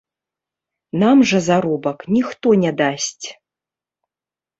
Нам жа заробак ніхто не дасць.